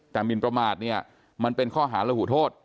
แต่หมิ่นประมาสมันเป็นข้อหารหรือหูโทษ